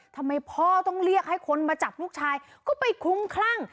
ทำไมพ่อต้องเรียกให้คนมาจับลูกชายก็ไปคุ้มคลั่ง